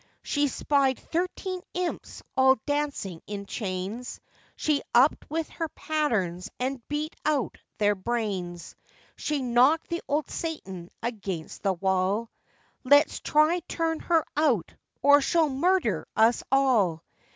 She spied thirteen imps all dancing in chains, She up with her pattens, and beat out their brains. She knocked the old Satan against the wall,— 'Let's try turn her out, or she'll murder us all!